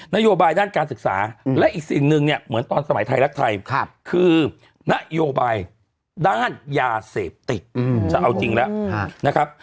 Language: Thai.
นโยบายด้านการศึกษาและอีกสิ่งหนึ่งเนี่ยเหมือนตอนสมัยไทยรักไทยคือนโยบายด้านยาเสพติดจะเอาจริงแล้วนะครับ